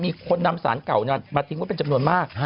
มีคนนำสารเก่ามาทิ้งไว้เป็นจำนวนมาก